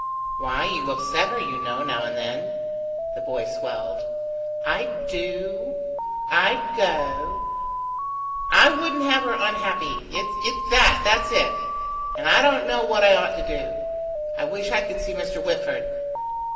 Why, you upset her, you know, now and then." The boy swelled. "I'd do ... I'd go ... I wouldn't have her unhappy ... It's that! that's it! And I don't know what I ought to do. I wish I could see Mr. Whitford."